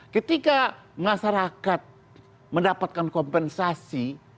ketika masyarakat mendapatkan kompensasi